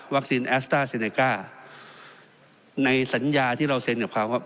แอสต้าเซเนก้าในสัญญาที่เราเซ็นกับเขาครับ